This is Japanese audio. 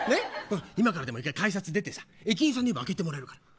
今からでも改札出て駅員さんに言えば開けてもらえるから。